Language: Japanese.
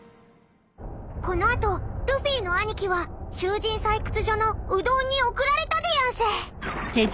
［この後ルフィの兄貴は囚人採掘場の兎丼に送られたでやんす］